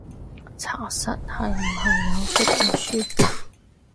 查實係唔係有出過書？